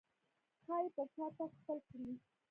ښايي پر شا تګ خپل کړي.